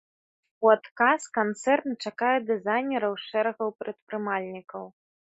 У адказ канцэрн чакае дызайнераў з шэрагаў прадпрымальнікаў.